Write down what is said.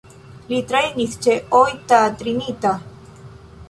Li trejnis ĉe Oita Trinita.